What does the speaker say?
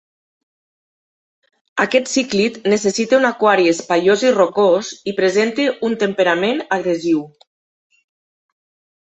Aquest cíclid necessita un aquari espaiós i rocós i presenta un temperament agressiu.